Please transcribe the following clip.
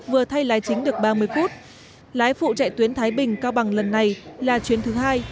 vừa thay lái chính được ba mươi phút lái phụ chạy tuyến thái bình cao bằng lần này là chuyến thứ hai